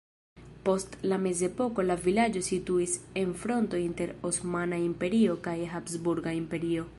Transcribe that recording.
Post la mezepoko la vilaĝo situis en fronto inter Osmana Imperio kaj Habsburga Imperio.